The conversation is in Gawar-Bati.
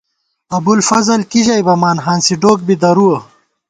ابُوالفضل کی ژَئی بَمان، ہانسی ڈوک بی درُوَہ